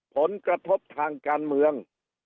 ผลกระทบทางการเมือง